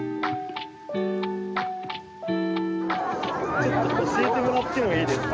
ちょっと教えてもらってもいいですか。